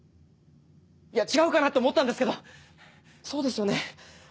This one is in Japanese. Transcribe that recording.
いや違うかなって思ったんですけどそうですよね？